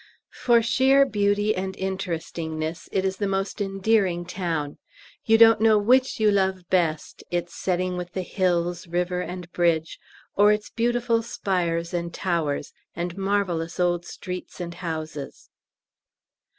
For sheer beauty and interestingness it is the most endearing town; you don't know which you love best its setting with the hills, river, and bridge, or its beautiful spires and towers and marvellous old streets and houses.